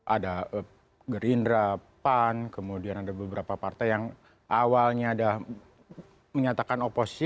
ada gerindra pan kemudian ada beberapa partai yang awalnya sudah menyatakan oposisi